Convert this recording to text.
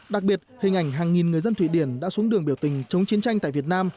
đặc biệt hình ảnh hàng nghìn người dân thụy điển đã xuống đường biểu tình chống chiến tranh tại việt nam